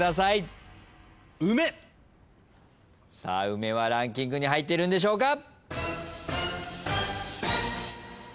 梅はランキングに入ってるんでしょうか。